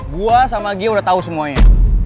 gue sama dia udah tau semuanya